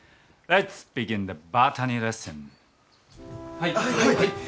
はい！